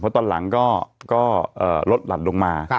ตอนหลังก็ลดหลัดลงมา